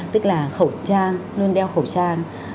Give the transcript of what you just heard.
tức là khẩu trang luôn đeo khẩu trang